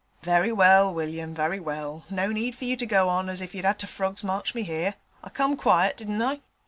'Very well, William, very well; no need for you to go on as if you'd 'ad to frog's march me 'ere. I come quiet, didn't I?